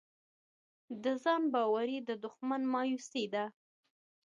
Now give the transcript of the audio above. د ځان باورۍ دښمن مایوسي ده.